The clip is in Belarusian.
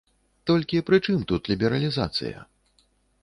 Толькі пры чым тут лібералізацыя?